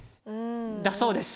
だそうです。